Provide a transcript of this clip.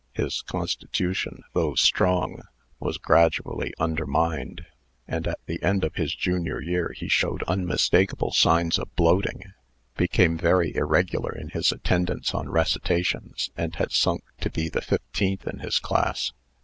His constitution, though strong, was gradually undermined; and, at the end of his junior year, he showed unmistakable signs of bloating, became very irregular in his attendance on recitations, and had sunk to be the fifteenth in his class.